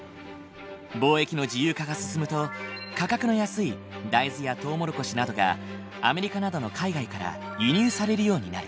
貿易の自由化が進むと価格の安い大豆やトウモロコシなどがアメリカなどの海外から輸入されるようになる。